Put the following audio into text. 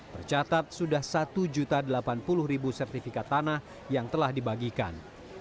percatat sudah satu delapan puluh sertifikat tanah yang telah dibagikan